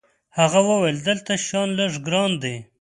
هغه وویل: دلته شیان لږ ګران دي.